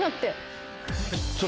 えっ？